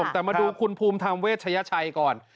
แต่มาดูคุณภูมิธรรมเวชยชัยก่อน